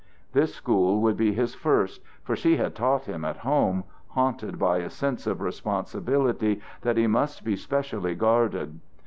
This school would be his first, for she had taught him at home, haunted by a sense of responsibility that he must be specially guarded.